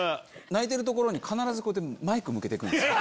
泣いてるところに必ずマイク向けて来るんすよ。